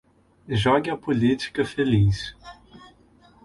Jogue a política feliz